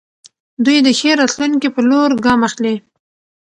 دوی د ښې راتلونکې په لور ګام اخلي.